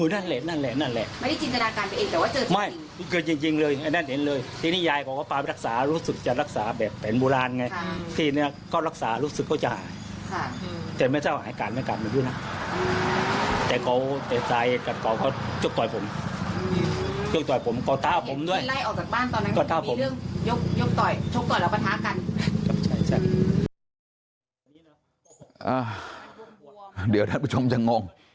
เดี๋ยวท่านผู้ชมจะงง